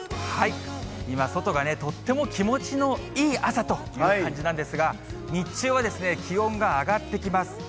今、外がとっても気持ちのいい朝という感じなんですが、日中は気温が上がってきます。